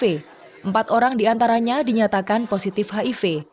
empat orang diantaranya dinyatakan positif hiv